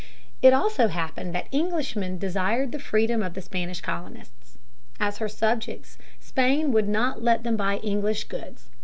It also happened that Englishmen desired the freedom of the Spanish colonists. As her subjects Spain would not let them buy English goods.